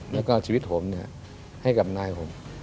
แล้วก็ชีวิตผมให้กับนายผม